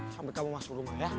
sampai kamu masuk rumah ya